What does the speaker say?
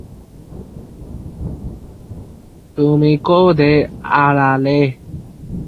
মূল কবরটি সাধারণভাবে ইট ও পাথর ব্যবহার করে বাঁধাই করে রাখা হয়েছে।